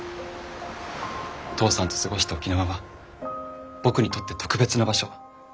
父さんと過ごした沖縄は僕にとって特別な場所。